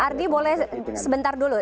ardy boleh sebentar dulu